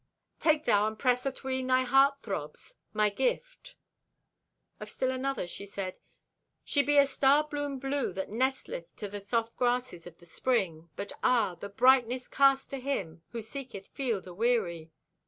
Take thou and press atween thy heart throbs—my gift." Of still another she said: "She be a star bloom blue that nestleth to the soft grasses of the spring, but ah, the brightness cast to him who seeketh field aweary!"